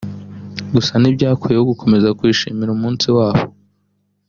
gusa ntibyakuyeho gukomeza kwishimira umunsi wabo